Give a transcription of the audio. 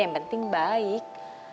yang penting baik